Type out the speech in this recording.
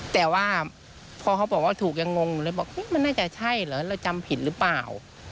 แต่ว่าพอเขาบอกว่าถูกยังงงอยู่เลยบอกมันน่าจะใช่เหรอเราจำผิดหรือเปล่า